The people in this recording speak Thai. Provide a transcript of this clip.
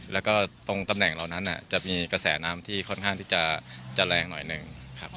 แล้วก็ตรงตำแหน่งเหล่านั้นจะมีกระแสน้ำที่ค่อนข้างที่จะแรงหน่อยหนึ่งครับ